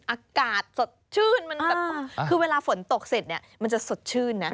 อากาศสดชื่นคือเวลาฝนตกเสร็จมันจะสดชื่นนะ